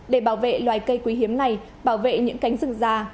để bảo vệ loài cây quý hiếm này bảo vệ những cánh rừng già